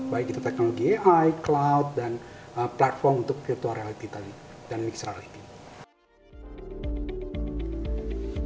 baik itu teknologi ai cloud dan platform untuk virtual reality tadi dan mixed reality